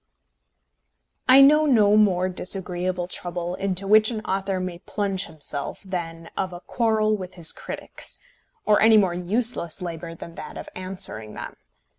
I know no more disagreeable trouble into which an author may plunge himself than of a quarrel with his critics, or any more useless labour than that of answering them.